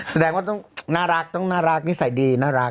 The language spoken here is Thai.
แสดงว่าต้องน่ารักนิสัยดีน่ารัก